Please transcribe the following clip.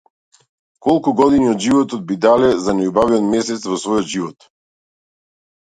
Колку години од животот би дале за најубавиот месец во својот живот?